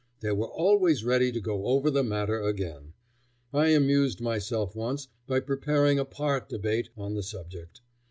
They were always ready to go over the matter again. I amused myself once by preparing a "part" debate on the subject.